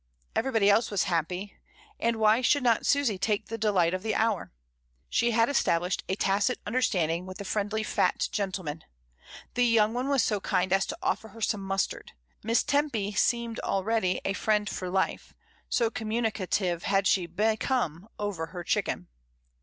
Everybody else was happy, and why should not Susy take the delight of the hour? She had established a tacit understanding with the friendly fat gentleman. The young one was so kind as to offer her some mustard; Miss Tempy seemed already a friend for life, so communicative had she become over her chicken.